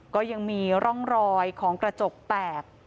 ก็ยังมีร่องรอยของกระจกแตก